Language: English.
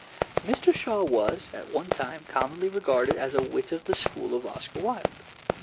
Mr. Shaw was at one time commonly regarded as a wit of the school of Oscar Wilde.